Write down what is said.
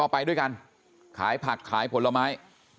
ไปด้วยกันขายผักขายผลไม้